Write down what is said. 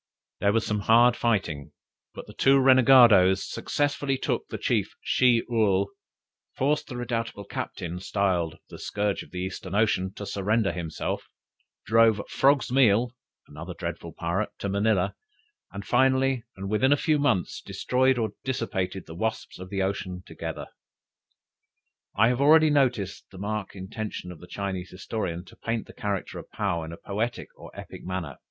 There was some hard fighting, but the two renegadoes successively took the chief Shih Url, forced the redoubtable captain, styled "The scourge of the Eastern Ocean" to surrender himself, drove "Frog's Meal," another dreadful pirate, to Manilla, and finally, and within a few months, destroyed or dissipated the "wasps of the ocean" altogether. I have already noticed the marked intention of the Chinese historian, to paint the character of Paou in a poetical or epic manner.